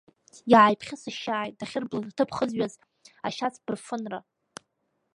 Иааиԥхьысышьшьааит дахьырблыз аҭыԥ хызҩахьаз ашьац бырфынра.